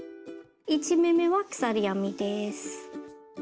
１目めは鎖編みです。